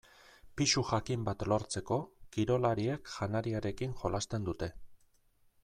Pisu jakin bat lortzeko kirolariek janariarekin jolasten dute.